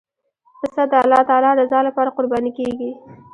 پسه د الله تعالی رضا لپاره قرباني کېږي.